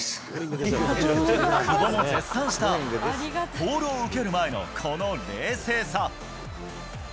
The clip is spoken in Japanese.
久保も絶賛したボールを受ける前のこの冷静さ。